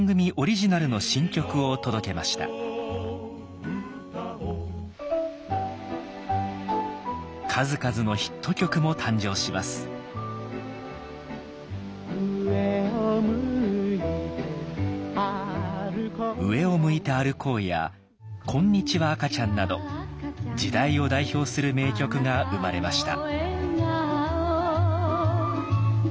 「上を向いて歩こう」「上を向いて歩こう」や「こんにちは赤ちゃん」など時代を代表する名曲が生まれました。